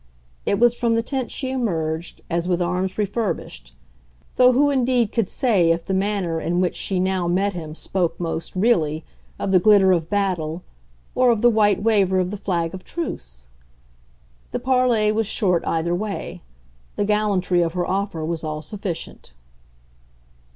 It was from the tent she emerged, as with arms refurbished; though who indeed could say if the manner in which she now met him spoke most, really, of the glitter of battle or of the white waver of the flag of truce? The parley was short either way; the gallantry of her offer was all sufficient.